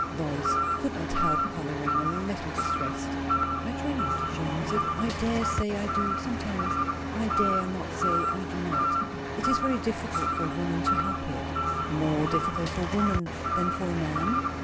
Lois could not help colouring, a little distressed. "I try not," she answered. "I dare say I do, sometimes. I dare not say I do not. It is very difficult for a woman to help it." "More difficult for a woman than for a man?"